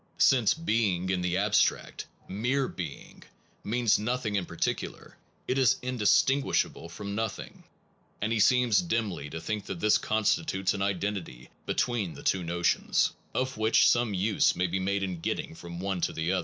43 SOME PROBLEMS OF PHILOSOPHY Since being in the abstract, mere being, means nothing in particular, it is indistinguishable from nothing ; and he seems dimly to think that this constitutes an identity between the two notions, of which some use may be made in getting from one to the other.